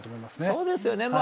そうですよね。